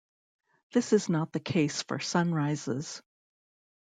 This is not the case for sunrises.